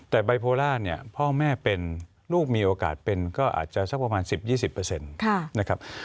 แต่ไบโพล่าพ่อแม่เป็นลูกมีโอกาสเป็นก็อาจจะสักประมาณ๑๐๒๐